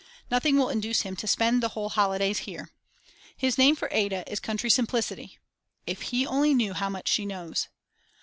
Nothing will induce him to spend the whole holidays here. His name for Ada is: "Country Simplicity." If he only knew how much she knows.